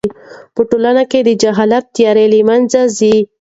په ټولنه کې د جهل تیارې له منځه ځي.